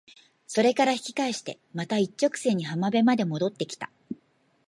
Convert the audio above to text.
それから引き返してまた一直線に浜辺まで戻って来た。